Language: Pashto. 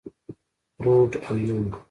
فروډ او يونګ.